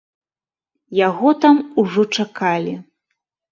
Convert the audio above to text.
Яго там ужо чакалі.